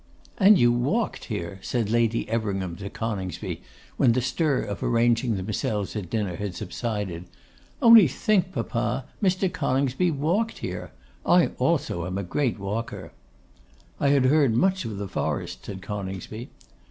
'And you walked here!' said Lady Everingham to Coningsby, when the stir of arranging themselves at dinner had subsided. 'Only think, papa, Mr. Coningsby walked here! I also am a great walker.' 'I had heard much of the forest,' said Coningsby.